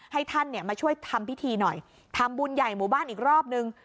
ให้ท่านเนี่ยมาช่วยทำพิธีหน่อยทำบุญใหญ่หมู่บ้านอีกรอบนึง